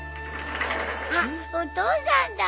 ・あっお父さんだ！